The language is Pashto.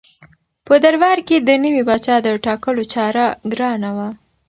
په دربار کې د نوي پاچا د ټاکلو چاره ګرانه وه.